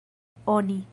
oni